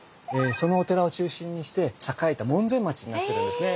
そのお寺を中心にして栄えた門前町になってるんですね。